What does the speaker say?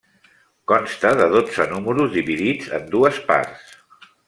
Consta de dotze números, dividits en dues parts.